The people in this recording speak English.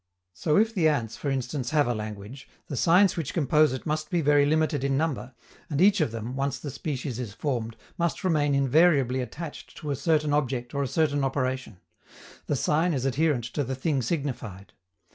So if the ants, for instance, have a language, the signs which compose it must be very limited in number, and each of them, once the species is formed, must remain invariably attached to a certain object or a certain operation: the sign is adherent to the thing signified.